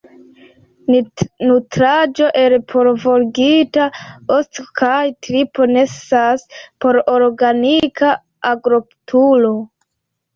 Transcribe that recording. Nutraĵo el pulvorigita osto kaj tripo necesas por organika agrokulturo.